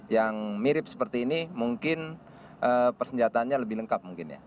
yang mirip seperti ini mungkin persenjatannya lebih lengkap